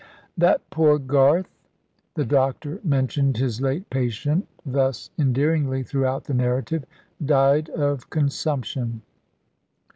"That poor Garth" the doctor mentioned his late patient thus endearingly throughout the narrative "died of consumption."